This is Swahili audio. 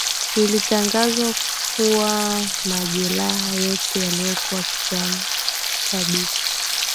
Ilitangazwa kuwa majelaha yote yaliyokuwa kichwani kwa Biko